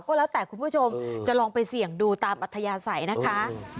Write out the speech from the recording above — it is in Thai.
ก็แล้วแต่คุณผู้ชมจะลองไปเสี่ยงดูตามอัตยาศัยนะคะ